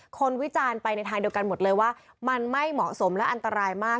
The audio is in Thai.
วิจารณ์ไปในทางเดียวกันหมดเลยว่ามันไม่เหมาะสมและอันตรายมาก